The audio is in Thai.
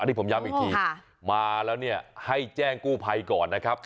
นี่ผมย้ำอีกทีมาแล้วเนี่ยให้แจ้งกู้ภัยก่อนนะครับ